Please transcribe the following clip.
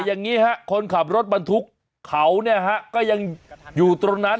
อย่างนี้ฮะคนขับรถบรรทุกเขาเนี่ยฮะก็ยังอยู่ตรงนั้น